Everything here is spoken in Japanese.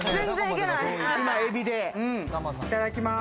いただきます。